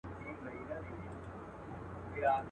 د لېوه ستوني ته سر یې کړ دننه.